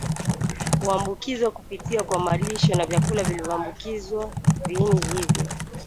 Huambukizwa kupitia kwa malisho na vyakula vilivyoambukizwa viini hivyo